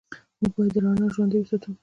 موږ باید دا رڼا ژوندۍ وساتو.